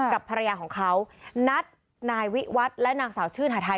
กับภรรยาของเขานัดนายวิวัตรและนางสาวชื่นหาทัย